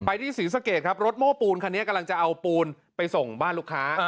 ที่ศรีสะเกดครับรถโม้ปูนคันนี้กำลังจะเอาปูนไปส่งบ้านลูกค้า